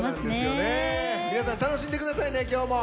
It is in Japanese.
皆さん楽しんでくださいね今日も。